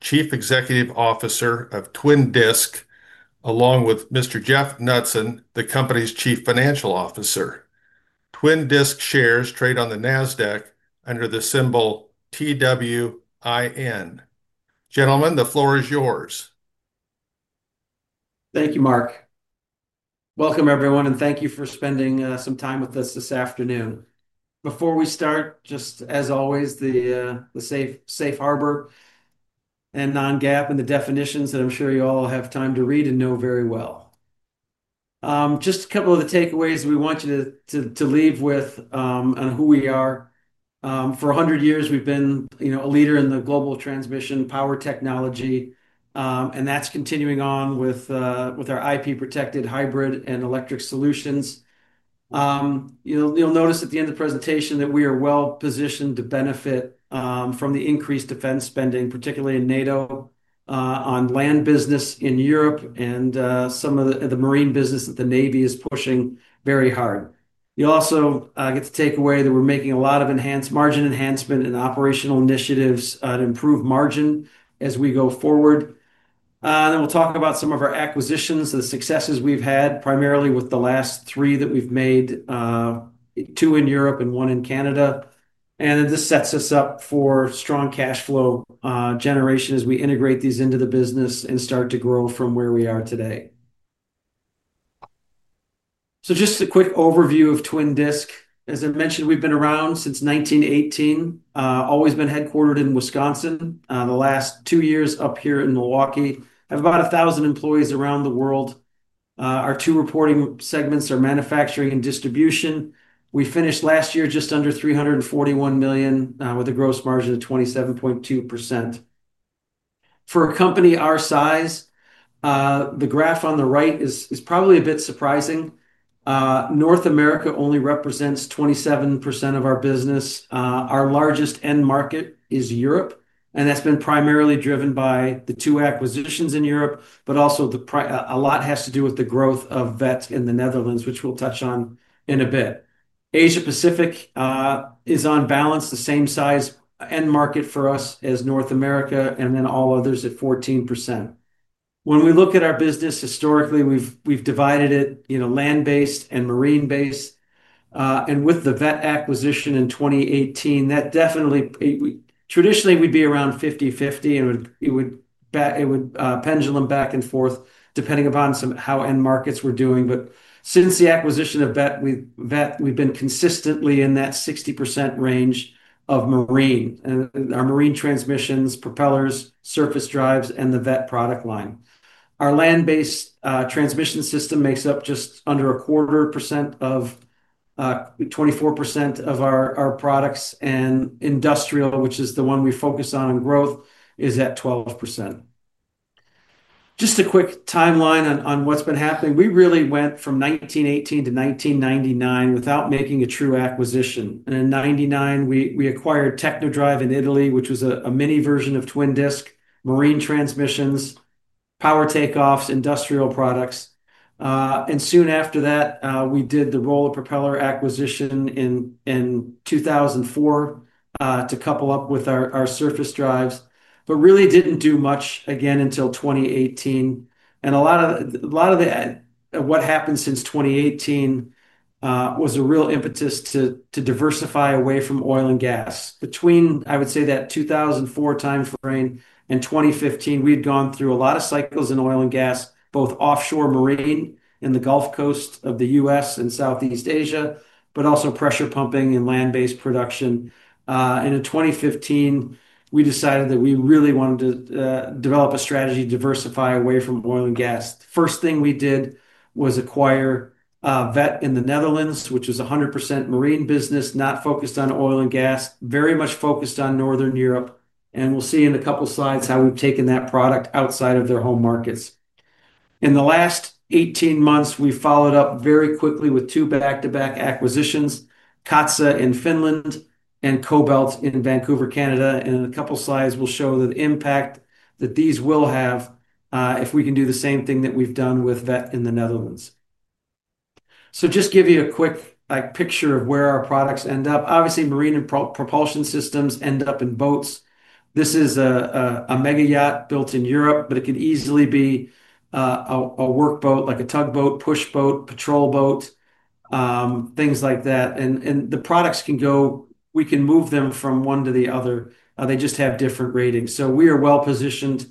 Chief Executive Officer of Twin Disc, along with Mr. Jeffrey S. Knutson, the company's Chief Financial Officer. Twin Disc shares trade on the NASDAQ under the symbol TWIN. Gentlemen, the floor is yours. Thank you, Mark. Welcome, everyone, and thank you for spending some time with us this afternoon. Before we start, just as always, the safe harbor and non-GAAP and the definitions that I'm sure you all have time to read and know very well. Just a couple of the takeaways we want you to leave with on who we are. For 100 years, we've been a leader in the global transmission power technology, and that's continuing on with our IP-protected, hybrid, and electric solutions. You'll notice at the end of the presentation that we are well positioned to benefit from the increased defense spending, particularly in NATO, on land business in Europe, and some of the marine business that the U.S. Navy is pushing very hard. You'll also get to take away that we're making a lot of enhanced margin enhancement in operational initiatives to improve margin as we go forward. We'll talk about some of our acquisitions, the successes we've had, primarily with the last three that we've made, two in Europe and one in Canada. This sets us up for strong cash flow generation as we integrate these into the business and start to grow from where we are today. Just a quick overview of Twin Disc. As I mentioned, we've been around since 1918. Always been headquartered in Wisconsin. The last two years up here in Milwaukee. Have about 1,000 employees around the world. Our two reporting segments are manufacturing and distribution. We finished last year just under $341 million with a gross margin of 27.2%. For a company our size, the graph on the right is probably a bit surprising. North America only represents 27% of our business. Our largest end market is Europe, and that's been primarily driven by the two acquisitions in Europe, but also a lot has to do with the growth of Veth in the Netherlands, which we'll touch on in a bit. Asia Pacific is on balance, the same size end market for us as North America, and then all others at 14%. When we look at our business historically, we've divided it land-based and marine-based. With the Veth acquisition in 2018, that definitely, traditionally we'd be around 50/50, and it would pendulum back and forth depending upon how end markets were doing. Since the acquisition of Veth, we've been consistently in that 60% range of marine, our marine transmissions, propellers, surface drives, and the Veth product line. Our land-based transmission system makes up just under a quarter, 24% of our products, and industrial, which is the one we focus on for growth, is at 12%. Just a quick timeline on what's been happening. We really went from 1918 to 1999 without making a true acquisition. In 1999, we acquired Technodrive in Italy, which was a mini version of Twin Disc, marine transmissions, power take-offs, industrial products. Soon after that, we did the Rolla propeller acquisition in 2004 to couple up with our surface drives, but really didn't do much again until 2018. A lot of what happened since 2018 was a real impetus to diversify away from oil and gas. Between, I would say, that 2004 timeframe and 2015, we had gone through a lot of cycles in oil and gas, both offshore marine in the Gulf Coast of the U.S. and Southeast Asia, but also pressure pumping and land-based production. In 2015, we decided that we really wanted to develop a strategy to diversify away from oil and gas. The first thing we did was acquire Veth in the Netherlands, which was 100% marine business, not focused on oil and gas, very much focused on Northern Europe. We'll see in a couple of slides how we've taken that product outside of their home markets. In the last 18 months, we followed up very quickly with two back-to-back acquisitions, Katsa in Finland and Kobelt in Vancouver, Canada. In a couple of slides, we'll show the impact that these will have if we can do the same thing that we've done with Veth in the Netherlands. Just to give you a quick picture of where our products end up, obviously, marine and propulsion systems end up in boats. This is a mega yacht built in Europe, but it could easily be a workboat, like a tugboat, pushboat, patrol boat, things like that. The products can go, we can move them from one to the other. They just have different ratings. We are well positioned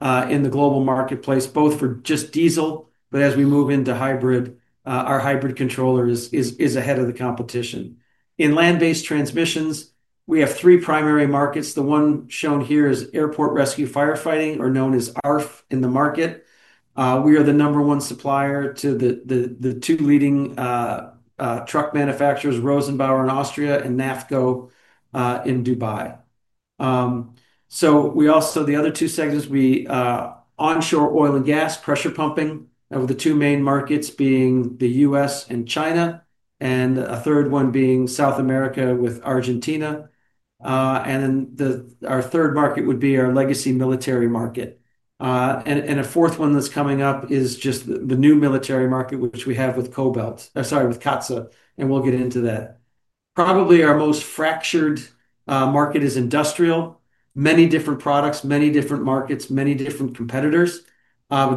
in the global marketplace, both for just diesel, but as we move into hybrid, our hybrid controller is ahead of the competition. In land-based transmissions, we have three primary markets. The one shown here is airport rescue firefighting, or known as ARF, in the market. We are the number one supplier to the two leading truck manufacturers, Rosenbauer in Austria and NAFCO in Dubai. The other two segments are onshore oil and gas pressure pumping, with the two main markets being the U.S. and China, and a third one being South America with Argentina. Our third market would be our legacy military market. A fourth one that's coming up is just the new military market, which we have with Katsa, and we'll get into that. Probably our most fractured market is industrial. Many different products, many different markets, many different competitors.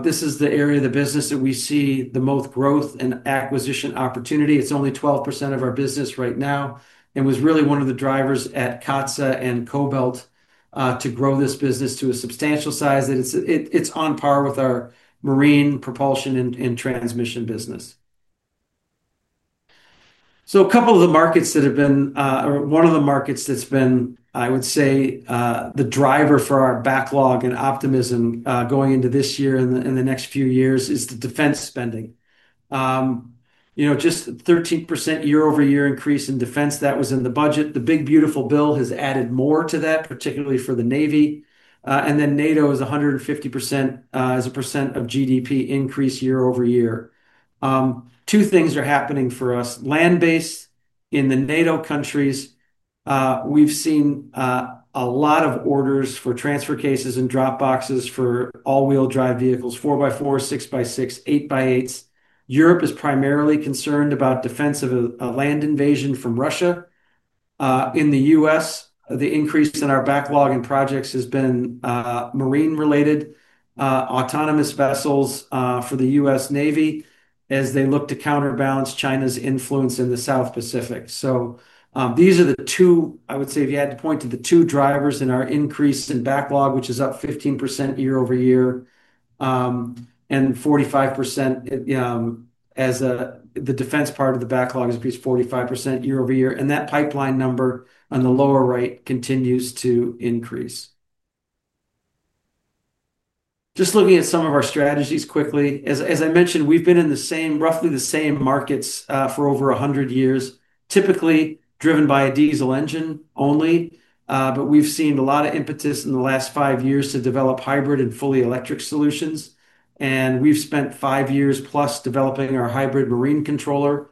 This is the area of the business that we see the most growth and acquisition opportunity. It's only 12% of our business right now and was really one of the drivers at Katsa and Kobelt to grow this business to a substantial size. It's on par with our marine propulsion and transmission business. A couple of the markets that have been, or one of the markets that's been, I would say, the driver for our backlog and optimism going into this year and the next few years is the defense spending. Just a 13% year-over-year increase in defense that was in the budget. The big beautiful bill has added more to that, particularly for the Navy. NATO is 150% as a percent of GDP increase year-over-year. Two things are happening for us. Land-based in the NATO countries, we've seen a lot of orders for transfer cases and drop boxes for all-wheel drive vehicles, 4x4, 6x6, 8x8s. Europe is primarily concerned about defense of a land invasion from Russia. In the U.S., the increase in our backlog and projects has been marine-related, autonomous vessels for the U.S. Navy as they look to counterbalance China's influence in the South Pacific. These are the two, I would say, if you had to point to the two drivers in our increase in backlog, which is up 15% year-over-year, and 45% as the defense part of the backlog is increased 45% year-over-year. That pipeline number on the lower right continues to increase. Just looking at some of our strategies quickly, as I mentioned, we've been in roughly the same markets for over 100 years, typically driven by a diesel engine only. We've seen a lot of impetus in the last five years to develop hybrid and fully electric solutions. We've spent five years plus developing our hybrid marine controller.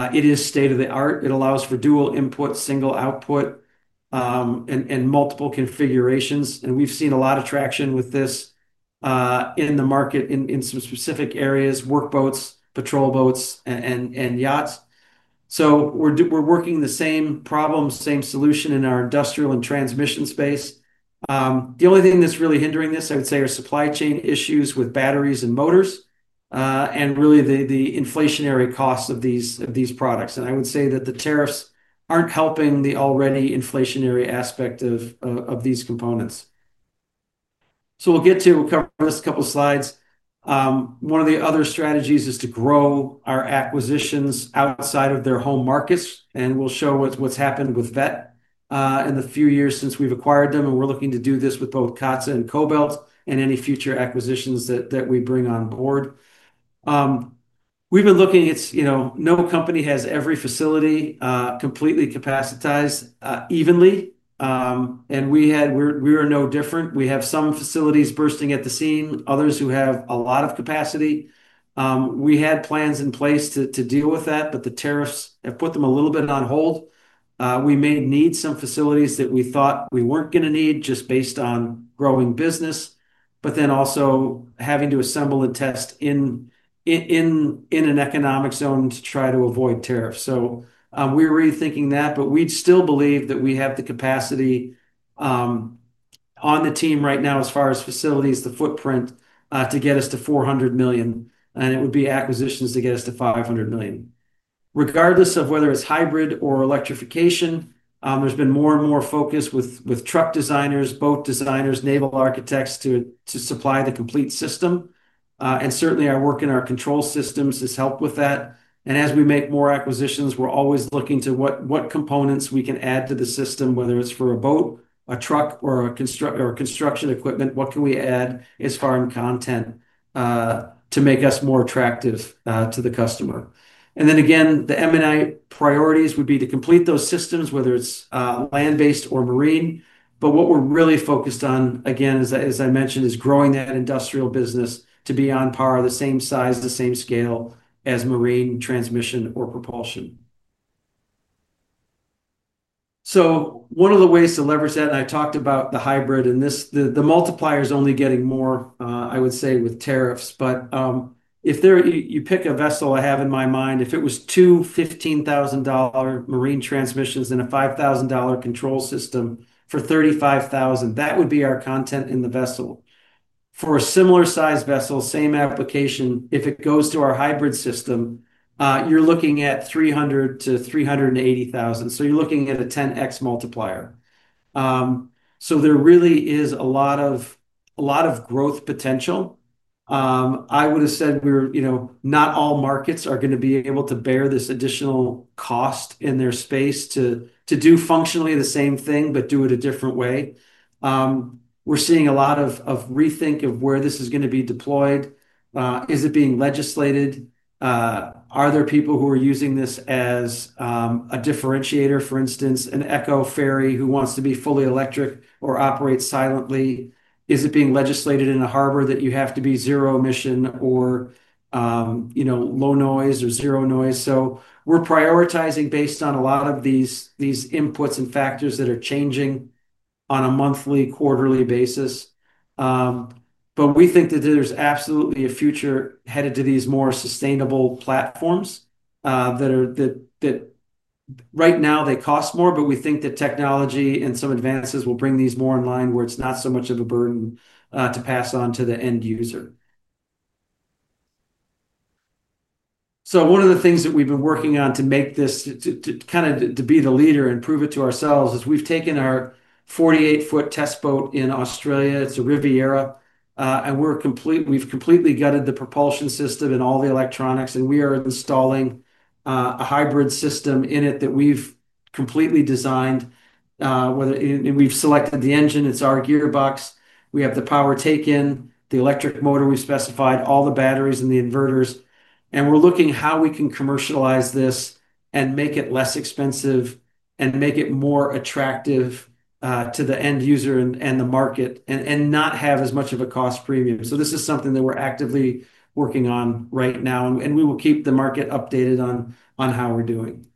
It is state of the art. It allows for dual input, single output, and multiple configurations. We've seen a lot of traction with this in the market in some specific areas, workboats, patrol boats, and yachts. We're working the same problems, same solution in our industrial and transmission space. The only thing that's really hindering this, I would say, are supply chain issues with batteries and motors, and really the inflationary costs of these products. I would say that the tariffs aren't helping the already inflationary aspect of these components. We'll cover this in a couple of slides. One of the other strategies is to grow our acquisitions outside of their home markets. We'll show what's happened with Veth in the few years since we've acquired them. We're looking to do this with both Katsa and Kobelt and any future acquisitions that we bring on board. No company has every facility completely capacitized evenly. We're no different. We have some facilities bursting at the seam, others who have a lot of capacity. We had plans in place to deal with that, but the tariffs have put them a little bit on hold. We may need some facilities that we thought we weren't going to need just based on growing business, but also having to assemble and test in an economic zone to try to avoid tariffs. We're rethinking that, but we still believe that we have the capacity on the team right now as far as facilities, the footprint to get us to $400 million. It would be acquisitions to get us to $500 million. Regardless of whether it's hybrid or electrification, there's been more and more focus with truck designers, boat designers, naval architects to supply the complete system. Certainly, our work in our control systems has helped with that. As we make more acquisitions, we're always looking to what components we can add to the system, whether it's for a boat, a truck, or construction equipment. What can we add as far in content to make us more attractive to the customer? The M&A priorities would be to complete those systems, whether it's land-based or marine. What we're really focused on, again, as I mentioned, is growing that industrial business to be on par, the same size, the same scale as marine transmission or propulsion. One of the ways to leverage that, and I talked about the hybrid, and the multiplier is only getting more, I would say, with tariffs. If you pick a vessel I have in my mind, if it was two $15,000 marine transmissions and a $5,000 control system for $35,000, that would be our content in the vessel. For a similar size vessel, same application, if it goes to our hybrid system, you're looking at $300,000-$380,000. So you're looking at a 10x multiplier. There really is a lot of growth potential. I would have said we're, you know, not all markets are going to be able to bear this additional cost in their space to do functionally the same thing, but do it a different way. We're seeing a lot of rethink of where this is going to be deployed. Is it being legislated? Are there people who are using this as a differentiator, for instance, an echo ferry who wants to be fully electric or operate silently? Is it being legislated in a harbor that you have to be zero emission or, you know, low noise or zero noise? We're prioritizing based on a lot of these inputs and factors that are changing on a monthly, quarterly basis. We think that there's absolutely a future headed to these more sustainable platforms that right now they cost more, but we think that technology and some advances will bring these more in line where it's not so much of a burden to pass on to the end user. One of the things that we've been working on to make this kind of to be the leader and prove it to ourselves is we've taken our 48-ft test boat in Australia. It's a Riviera. We've completely gutted the propulsion system and all the electronics, and we are installing a hybrid system in it that we've completely designed. We've selected the engine. It's our gearbox. We have the power take-in, the electric motor we specified, all the batteries and the inverters. We're looking at how we can commercialize this and make it less expensive and make it more attractive to the end user and the market and not have as much of a cost premium. This is something that we're actively working on right now, and we will keep the market updated on how we're doing.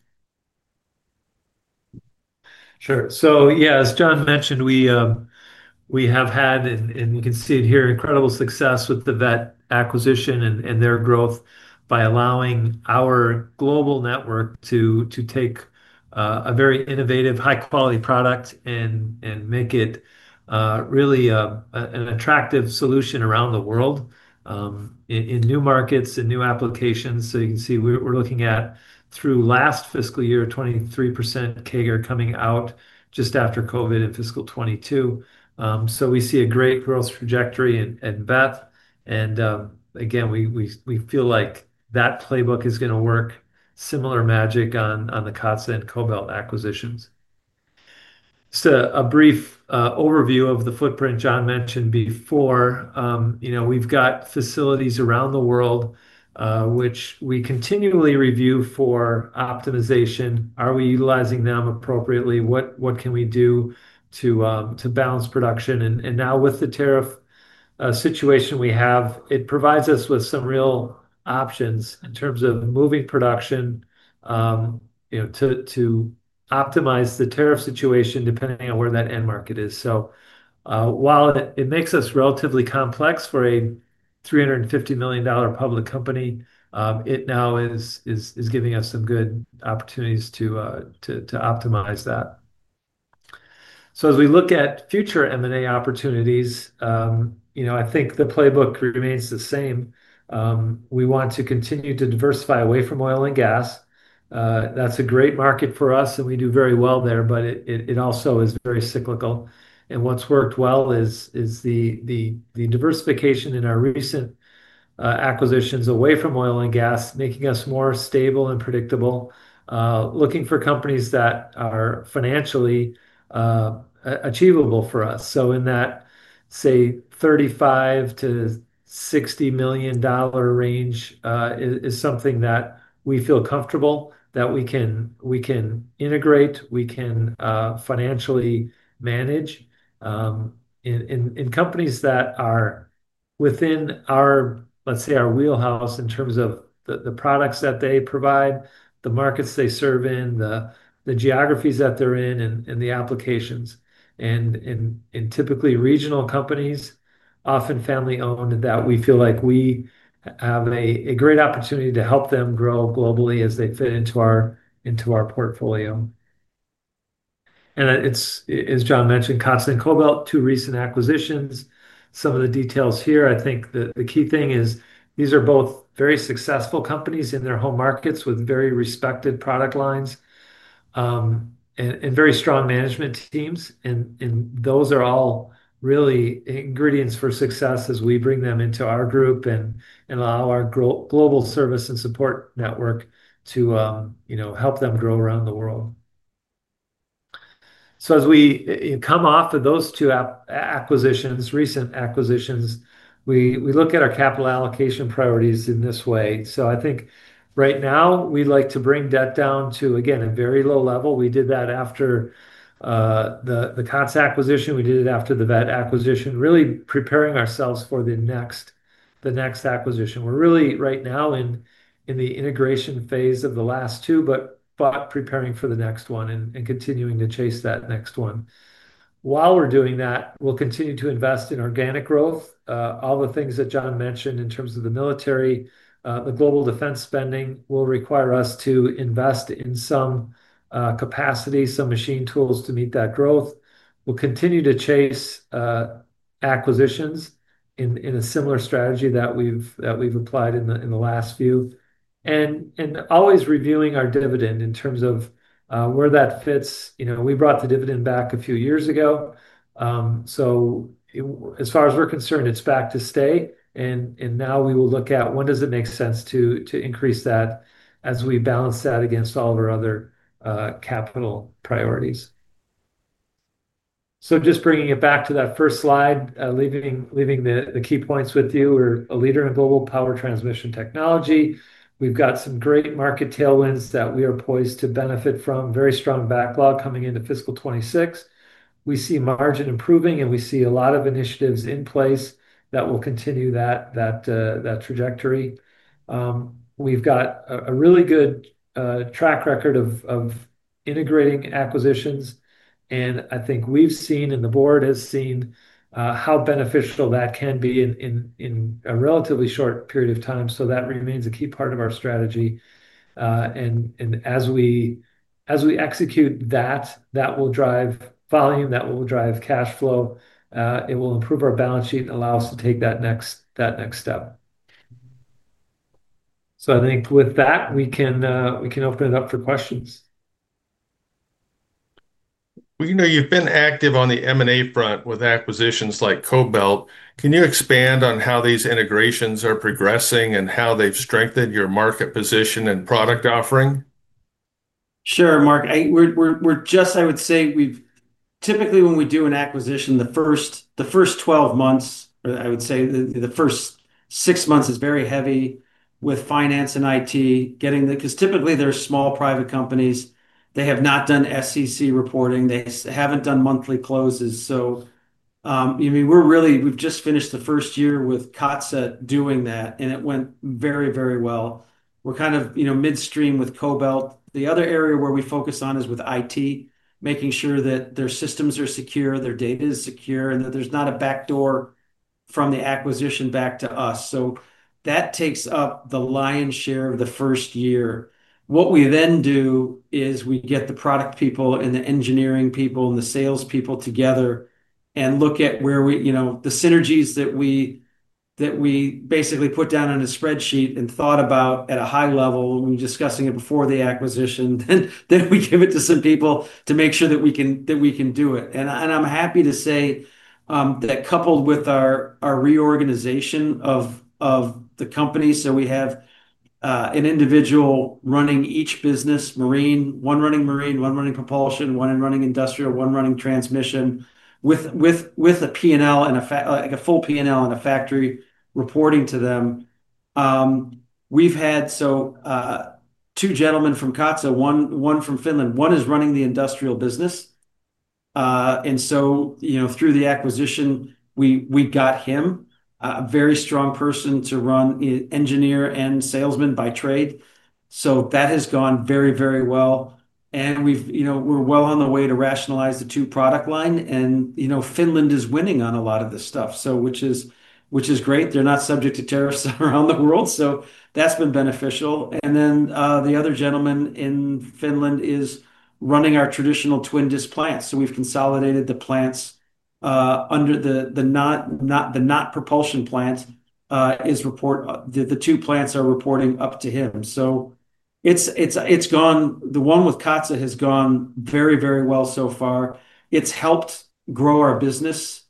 As John mentioned, we have had, and you can see it here, incredible success with the Veth acquisition and their growth by allowing our global network to take a very innovative, high-quality product and make it really an attractive solution around the world in new markets and new applications. You can see we're looking at, through last fiscal year, 23% CAGR coming out just after COVID in fiscal 2022. We see a great growth trajectory in Veth. We feel like that playbook is going to work similar magic on the Katsa Oy and Kobelt acquisitions. A brief overview of the footprint John mentioned before. We've got facilities around the world, which we continually review for optimization. Are we utilizing them appropriately? What can we do to balance production? Now with the tariff situation we have, it provides us with some real options in terms of moving production to optimize the tariff situation depending on where that end market is. While it makes us relatively complex for a $350 million public company, it now is giving us some good opportunities to optimize that. As we look at future M&A opportunities, I think the playbook remains the same. We want to continue to diversify away from oil and gas. That's a great market for us, and we do very well there, but it also is very cyclical. What's worked well is the diversification in our recent acquisitions away from oil and gas, making us more stable and predictable, looking for companies that are financially achievable for us. In that, say, $35 million-$60 million range is something that we feel comfortable, that we can integrate, we can financially manage in companies that are within, let's say, our wheelhouse in terms of the products that they provide, the markets they serve in, the geographies that they're in, and the applications. Typically, regional companies, often family-owned, that we feel like we have a great opportunity to help them grow globally as they fit into our portfolio. As John mentioned, Katsa and Kobelt, two recent acquisitions, some of the details here. I think the key thing is these are both very successful companies in their home markets with very respected product lines and very strong management teams. Those are all really ingredients for success as we bring them into our group and allow our global service and support network to help them grow around the world. As we come off of those two acquisitions, recent acquisitions, we look at our capital allocation priorities in this way. I think right now we'd like to bring debt down to, again, a very low level. We did that after the Katsa acquisition. We did it after the Veth acquisition, really preparing ourselves for the next acquisition. We're really right now in the integration phase of the last two, but preparing for the next one and continuing to chase that next one. While we're doing that, we'll continue to invest in organic growth. All the things that John mentioned in terms of the military, the global defense spending will require us to invest in some capacity, some machine tools to meet that growth. We'll continue to chase acquisitions in a similar strategy that we've applied in the last few, and always reviewing our dividend in terms of where that fits. You know, we brought the dividend back a few years ago. As far as we're concerned, it's back to stay, and now we will look at when does it make sense to increase that as we balance that against all of our other capital priorities. Just bringing it back to that first slide, leaving the key points with you, we're a leader in global power transmission technology. We've got some great market tailwinds that we are poised to benefit from, very strong backlog coming into fiscal 2026. We see margin improving, and we see a lot of initiatives in place that will continue that trajectory. We've got a really good track record of integrating acquisitions, and I think we've seen, and the board has seen, how beneficial that can be in a relatively short period of time. That remains a key part of our strategy, and as we execute that, that will drive volume, that will drive cash flow. It will improve our balance sheet and allow us to take that next step. I think with that, we can open it up for questions. You've been active on the M&A front with acquisitions like Kobelt. Can you expand on how these integrations are progressing and how they've strengthened your market position and product offering? Sure, Mark. We've typically, when we do an acquisition, the first 12 months, or I would say the first six months is very heavy with finance and IT, getting the, because typically they're small private companies. They have not done SEC reporting. They haven't done monthly closes. We're really, we've just finished the first year with Katsa doing that, and it went very, very well. We're kind of midstream with Kobelt. The other area where we focus on is with IT, making sure that their systems are secure, their data is secure, and that there's not a backdoor from the acquisition back to us. That takes up the lion's share of the first year. What we then do is we get the product people and the engineering people and the sales people together and look at where we, you know, the synergies that we basically put down on a spreadsheet and thought about at a high level when discussing it before the acquisition. We give it to some people to make sure that we can do it. I'm happy to say that coupled with our reorganization of the company, we have an individual running each business, one running marine, one running propulsion, one running industrial, one running transmission, with a P&L and a full P&L and a factory reporting to them. We've had two gentlemen from Katsa, one from Finland, one is running the industrial business. Through the acquisition, we got him, a very strong person to run engineer and salesman by trade. That has gone very, very well. We're well on the way to rationalize the two product lines. Finland is winning on a lot of this stuff, which is great. They're not subject to tariffs around the world. That's been beneficial. The other gentleman in Finland is running our traditional Twin Disc plants. We've consolidated the plants under the not propulsion plants. The two plants are reporting up to him. The one with Katsa has gone very, very well so far. It's helped grow our business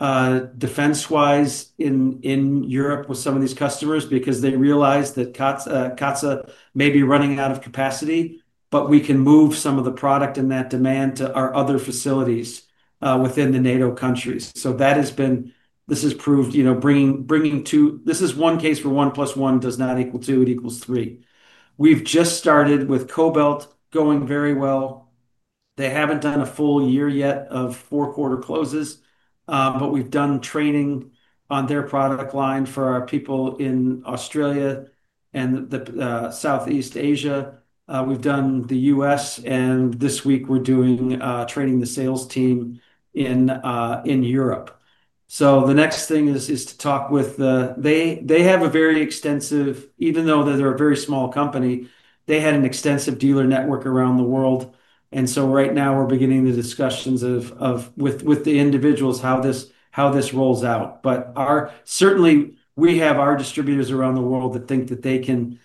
defense-wise in Europe with some of these customers because they realized that Katsa may be running out of capacity, but we can move some of the product and that demand to our other facilities within the NATO countries. This has proved, bringing two, this is one case where one plus one does not equal two, it equals three. We've just started with Kobelt going very well. They haven't done a full year yet of four-quarter closes, but we've done training on their product line for our people in Australia and Southeast Asia. We've done the U.S., and this week we're doing training for the sales team in Europe. The next thing is to talk with, they have a very extensive, even though they're a very small company, they had an extensive dealer network around the world. Right now we're beginning the discussions with the individuals on how this rolls out. Certainly we have our distributors around the world that think that they can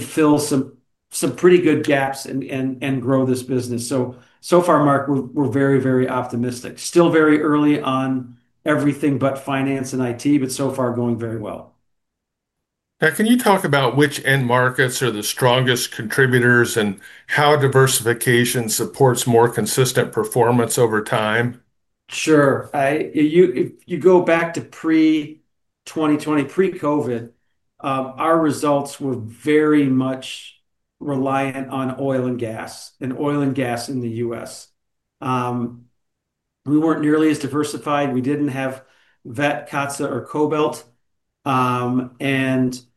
fill some pretty good gaps and grow this business. So far, Mark, we're very, very optimistic. Still very early on everything but finance and IT, but so far going very well. Can you talk about which end markets are the strongest contributors, and how diversification supports more consistent performance over time? Sure. If you go back to pre-2020, pre-COVID, our results were very much reliant on oil and gas, and oil and gas in the U.S. We weren't nearly as diversified. We didn't have Veth, Katsa, or Kobelt.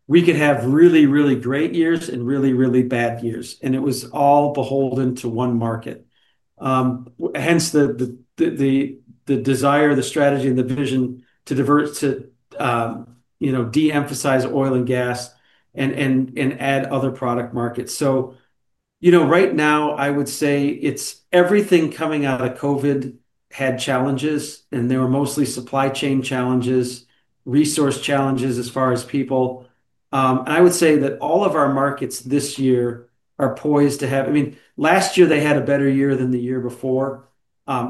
We could have really, really great years and really, really bad years. It was all beholden to one market. Hence the desire, the strategy, and the vision to de-emphasize oil and gas and add other product markets. Right now I would say everything coming out of COVID had challenges, and they were mostly supply chain challenges, resource challenges as far as people. I would say that all of our markets this year are poised to have, I mean, last year they had a better year than the year before.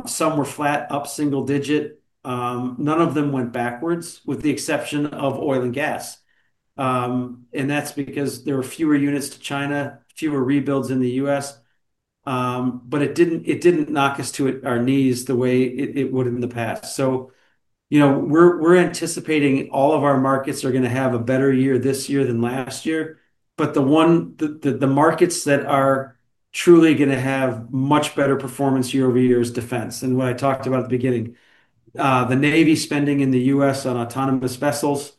Some were flat, up single digit. None of them went backwards with the exception of oil and gas. That's because there were fewer units to China, fewer rebuilds in the U.S. It didn't knock us to our knees the way it would in the past. We're anticipating all of our markets are going to have a better year this year than last year. The markets that are truly going to have much better performance year-over-year is defense. What I talked about at the beginning, the Navy spending in the U.S. on autonomous vessels,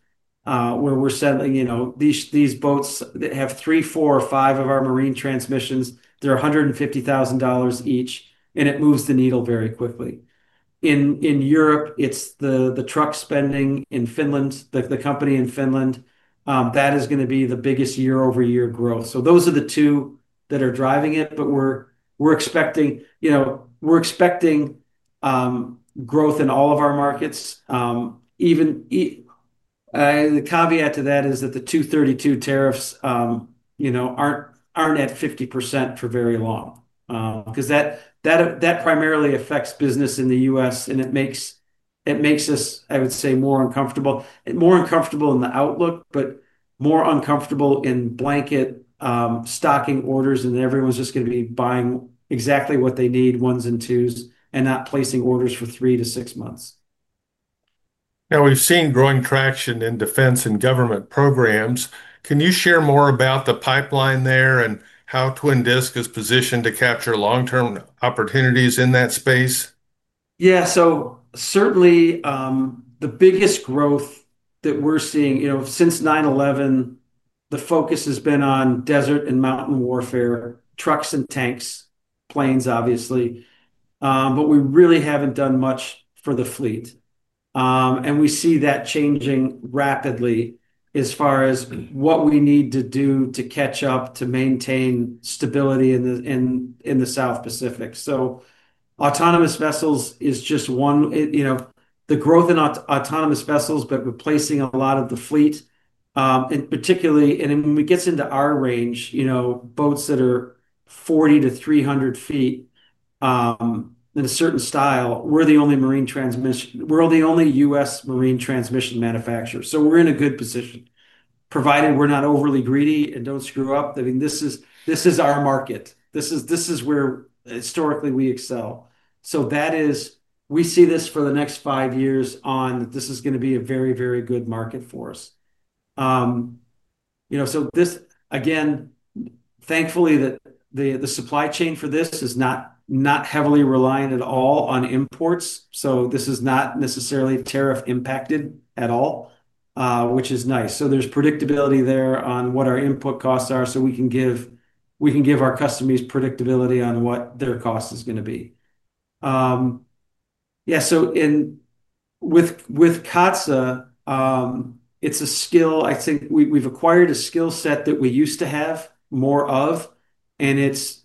where we're sending these boats that have three, four, or five of our marine transmissions, they're $150,000 each, and it moves the needle very quickly. In Europe, it's the truck spending in Finland, the company in Finland, that is going to be the biggest year-over-year growth. Those are the two that are driving it, but we're expecting growth in all of our markets. The caveat to that is that the 232 Tariffs aren't at 50% for very long. That primarily affects business in the U.S., and it makes us, I would say, more uncomfortable. More uncomfortable in the outlook, but more uncomfortable in blanket stocking orders, and everyone's just going to be buying exactly what they need, ones and twos, and not placing orders for three to six months. Now we've seen growing traction in defense and government programs. Can you share more about the pipeline there and how Twin Disc is positioned to capture long-term opportunities in that space? Yeah, certainly the biggest growth that we're seeing, you know, since 9/11, the focus has been on desert and mountain warfare, trucks and tanks, planes obviously. We really haven't done much for the fleet. We see that changing rapidly as far as what we need to do to catch up to maintain stability in the South Pacific. Autonomous vessels is just one, you know, the growth in autonomous vessels, but replacing a lot of the fleet. Particularly, when it gets into our range, you know, boats that are 40-300 ft in a certain style, we're the only U.S. marine transmission manufacturer. We're in a good position, provided we're not overly greedy and don't screw up. This is our market. This is where historically we excel. We see this for the next five years, that this is going to be a very, very good market for us. Thankfully, the supply chain for this is not heavily reliant at all on imports. This is not necessarily tariff impacted at all, which is nice. There's predictability there on what our input costs are, so we can give our customers predictability on what their cost is going to be. Yeah, with Katsa, it's a skill, I think we've acquired a skill set that we used to have more of, and it's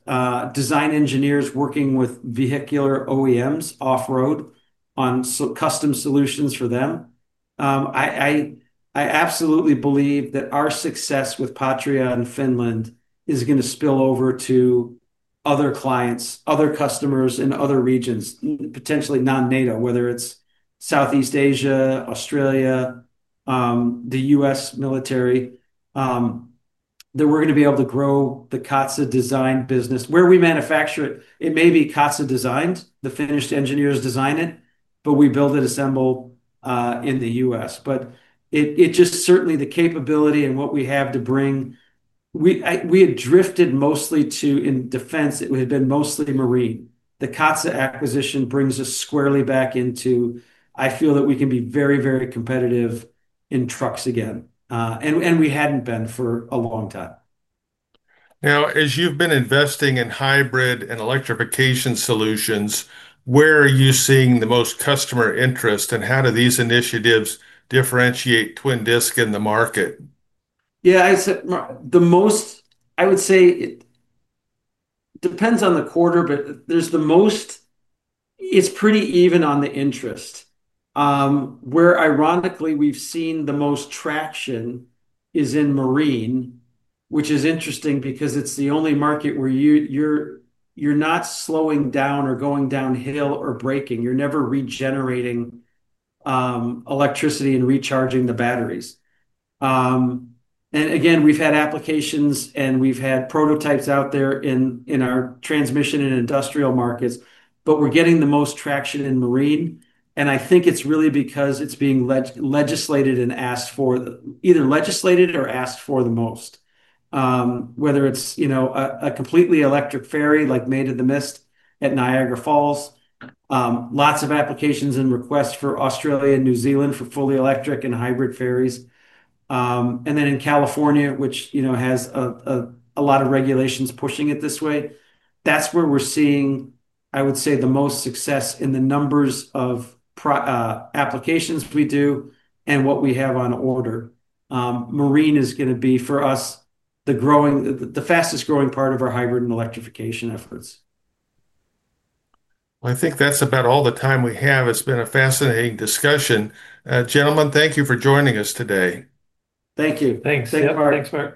design engineers working with vehicular OEMs off-road on custom solutions for them. I absolutely believe that our success with Patria in Finland is going to spill over to other clients, other customers in other regions, potentially non-NATO, whether it's Southeast Asia, Australia, the U.S. military, that we're going to be able to grow the Katsa Oy design business. Where we manufacture it, it may be Katsa designs, the Finnish engineers design it, but we build it, assemble in the U.S. Certainly, the capability and what we have to bring, we had drifted mostly to, in defense, it had been mostly marine. The Katsa acquisition brings us squarely back into, I feel that we can be very, very competitive in trucks again. We hadn't been for a long time. Now, as you've been investing in hybrid and electrification solutions, where are you seeing the most customer interest, and how do these initiatives differentiate Twin Disc in the market? Yeah, I said the most, I would say, it depends on the quarter, but there's the most, it's pretty even on the interest. Where, ironically, we've seen the most traction is in marine, which is interesting because it's the only market where you're not slowing down or going downhill or braking. You're never regenerating electricity and recharging the batteries. We've had applications and we've had prototypes out there in our transmission and industrial markets, but we're getting the most traction in marine. I think it's really because it's being legislated and asked for, either legislated or asked for the most. Whether it's, you know, a completely electric ferry like Maid of the Mist at Niagara Falls, lots of applications and requests for Australia and New Zealand for fully electric and hybrid ferries. In California, which has a lot of regulations pushing it this way, that's where we're seeing, I would say, the most success in the numbers of applications we do and what we have on order. Marine is going to be, for us, the fastest growing part of our hybrid and electrification efforts. I think that's about all the time we have. It's been a fascinating discussion. Gentlemen, thank you for joining us today. Thank you. Thanks, Mark.